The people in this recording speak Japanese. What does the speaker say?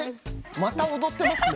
また踊ってますね？